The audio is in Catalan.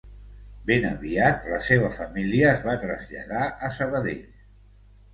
Ben aviat la seva família es va traslladar a Sabadell.